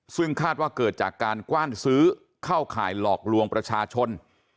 ซึ่งคาดว่าเกิดจากการกว้านซื้อเข้าข่ายหลอกลวงประชาชน